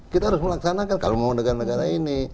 kita harus melaksanakan kalau mau belanegara ini